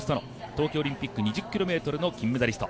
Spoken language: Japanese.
東京オリンピック２０ｋｍの金メダリスト。